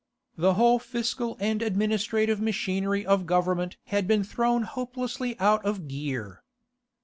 The whole fiscal and administrative machinery of government had been thrown hopelessly out of gear.